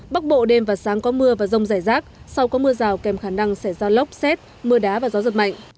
bắc bộ đêm và sáng có mưa và rông rải rác sau có mưa rào kèm khả năng xảy ra lốc xét mưa đá và gió giật mạnh